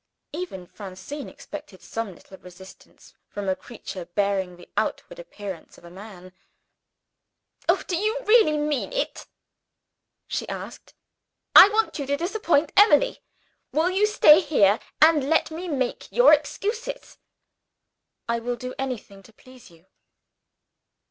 Even Francine expected some little resistance from a creature bearing the outward appearance of a man. "Oh, do you really mean it?" she asked "I want you to disappoint Emily. Will you stay here, and let me make your excuses?" "I will do anything to please you."